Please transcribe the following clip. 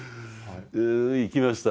行きました。